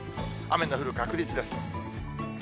雨の降る確率です。